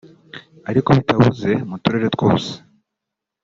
ariko bitabuze mu turere twose